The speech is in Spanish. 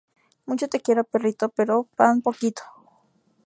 Mucho te quiero perrito, pero pan poquito